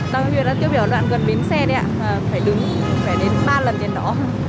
đang huyện đã tiêu biểu đoạn gần bến xe đấy ạ phải đứng phải đến ba lần trên đó